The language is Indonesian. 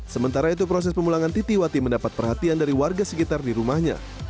sementara itu proses pemulangan titi wati mendapat perhatian dari warga sekitar di rumahnya